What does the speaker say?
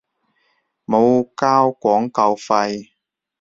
冇交廣告費